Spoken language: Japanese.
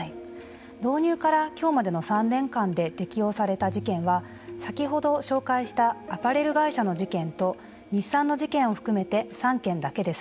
導入からきょうまでの３年間で適用された事件は先ほど紹介したアパレル会社の事件と日産の事件を含めて３件だけです。